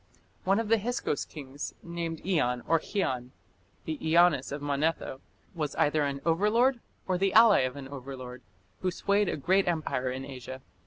One of the Hyksos kings, named Ian or Khian, the Ianias of Manetho, was either an overlord or the ally of an overlord, who swayed a great empire in Asia.